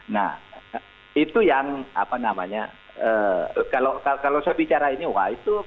nah itu yang apa namanya kalau saya bicara ini wah itu